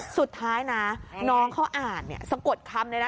สุดท้ายนะน้องเขาอ่านสะกดคำเลยนะ